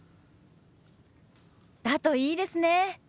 だといいですね。